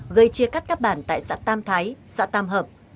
gây chia cắt các bản tại xã tam thái xã tam hợp